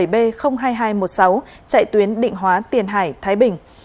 một mươi bảy b hai mươi hai một mươi sáu chạy tuyến định hóa tiền hải thái bình